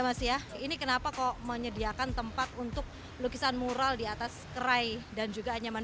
mas ya ini kenapa kok menyediakan tempat untuk lukisan mural di atas kerai dan juga anyaman